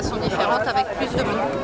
sangat menarik untuk menemukan